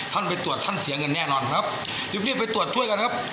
ท่านไปตรวจท่านเสียเงินแน่นอนครับรีบรีบไปตรวจช่วยกันครับ